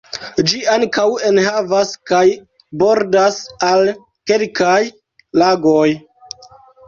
Gi ankaŭ enhavas kaj bordas al kelkaj lagoj.